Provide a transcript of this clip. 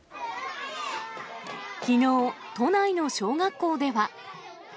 きのう、都内の小学校では。